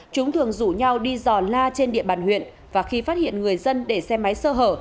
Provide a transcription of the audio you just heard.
chúng thường rủ nhau đi dò la trên địa bàn huyện và khi phát hiện người dân để xe máy sơ hở